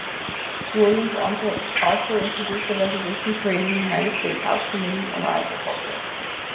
Williams also introduced the resolution creating the United States House Committee on Agriculture.